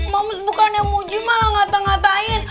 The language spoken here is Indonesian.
mams bukan yang puji malah ngata ngatain